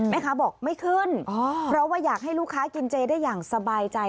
แม่ค้าบอกไม่ขึ้นเพราะว่าอยากให้ลูกค้ากินเจได้อย่างสบายใจ